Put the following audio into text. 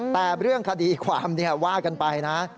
แต่เรื่องคดีความว่ากันไปนะ